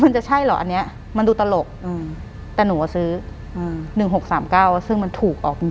หลังจากนั้นเราไม่ได้คุยกันนะคะเดินเข้าบ้านอืม